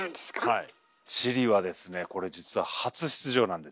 はい。